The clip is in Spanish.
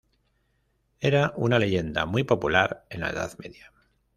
Era una leyenda muy popular en la Edad Media.